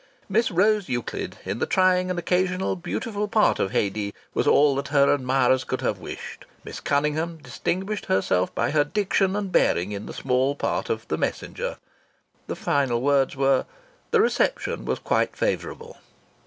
"Miss Rose Euclid, in the trying and occasionally beautiful part of Haidee, was all that her admirers could have wished." ... "Miss Cunningham distinguished herself by her diction and bearing in the small part of the Messenger." The final words were, "The reception was quite favourable."